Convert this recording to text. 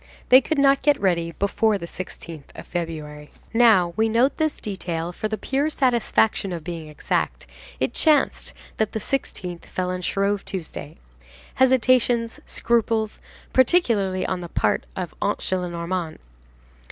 They could not get ready before the 16th of February. Now, we note this detail, for the pure satisfaction of being exact, it chanced that the 16th fell on Shrove Tuesday. Hesitations, scruples, particularly on the part of Aunt Gillenormand.